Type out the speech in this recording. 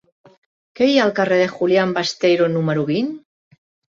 Què hi ha al carrer de Julián Besteiro número vint?